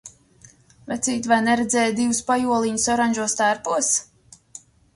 Vecīt, vai neredzēji divus pajoliņus oranžos tērpos?